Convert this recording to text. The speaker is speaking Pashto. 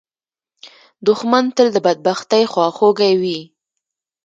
دښمن تل د بدبختۍ خواخوږی وي